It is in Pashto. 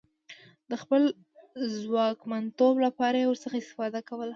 د خپل ځواکمنتوب لپاره یې ورڅخه استفاده کوله.